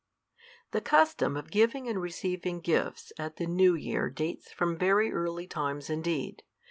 = The custom of giving and receiving gifts at the new year dates from very early times indeed.